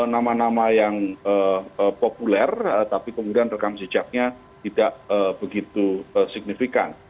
nama nama yang populer tapi kemudian rekam jejaknya tidak begitu signifikan